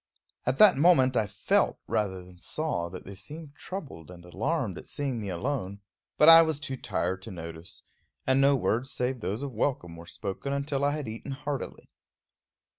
At that moment I felt rather than saw that they seemed troubled and alarmed at seeing me alone; but I was too tired to notice, and no words save those of welcome were spoken until I had eaten heartily.